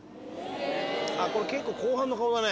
これ結構後半の顔だね。